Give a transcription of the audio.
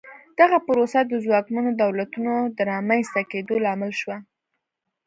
دغه پروسه د ځواکمنو دولتونو د رامنځته کېدو لامل شوه.